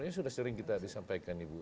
ini sudah sering kita disampaikan ibu